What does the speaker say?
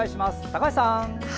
高橋さん。